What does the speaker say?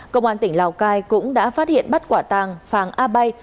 công an tỉnh lào cai cũng đã phát hiện bắt quả tàng phàng a bay